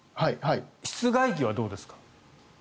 室外機はどうですか？